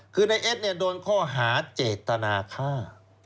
คือนายเอ็ดเนี่ยโดนข้อหาเจตนาฆ่า